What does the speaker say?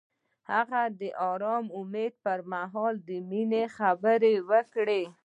هغه د آرام امید پر مهال د مینې خبرې وکړې.